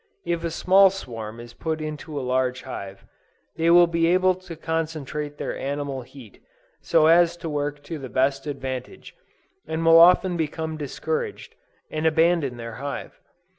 If a small swarm is put into a large hive, they will be unable to concentrate their animal heat, so as to work to the best advantage, and will often become discouraged, and abandon their hive.